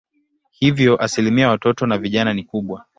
Hivyo asilimia ya watoto na vijana ni kubwa.